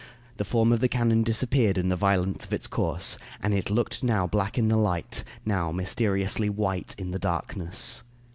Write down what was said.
The form of the cannon disappeared in the violence of its course, and it looked now black in the light, now mysteriously white in the darkness.